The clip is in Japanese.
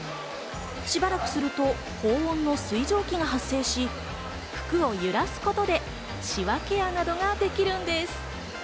しばらくすると高温の水蒸気が発生し、服を揺らすことでシワケアなどができるんです。